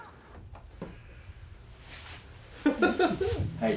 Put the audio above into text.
はい。